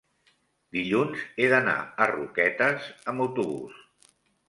dilluns he d'anar a Roquetes amb autobús.